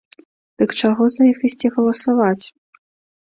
Дык чаго за іх ісці галасаваць?!